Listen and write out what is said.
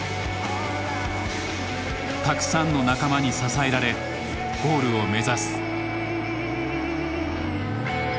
たくさんの仲間に支えられゴールを目指す。